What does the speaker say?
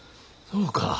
そうか。